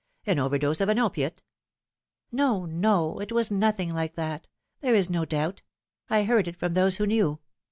An overdose of an opiate !"" No, no ; it was nothing like that. There is no doubt. I heard it from those who knew.